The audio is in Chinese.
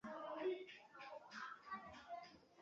较大体型的狗也是很常见的。